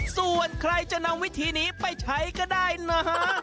ส่วนใครจะนำวิธีนี้ไปใช้ก็ได้นะฮะ